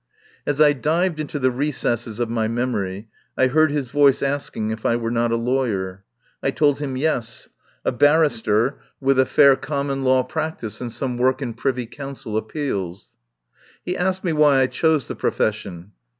As I dived into the recesses of my memory I heard his voice asking if I were not a lawyer. I told him, Yes. A barrister with a fair 65 THE POWER HOUSE common law practice and some work in Privy Council appeals. He asked me why I chose the profession.